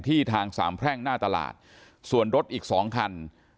ทางสามแพร่งหน้าตลาดส่วนรถอีกสองคัน